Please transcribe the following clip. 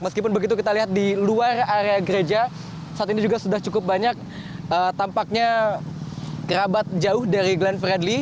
meskipun begitu kita lihat di luar area gereja saat ini juga sudah cukup banyak tampaknya kerabat jauh dari glenn fredly